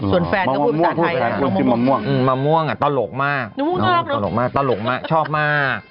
คุณแฟนก็คุณภาษาไทยมะม่วงอะตลกมากชอบมาก